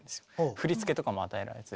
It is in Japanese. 振り付けとかも与えられず。